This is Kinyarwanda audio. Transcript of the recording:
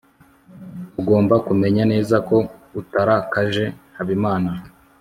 ugomba kumenya neza ko utarakaje habimana